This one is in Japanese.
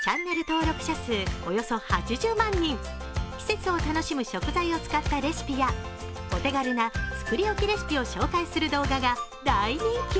季節を楽しむ食材を使ったレシピや、お手軽な作り置きレシピを紹介する動画が大人気。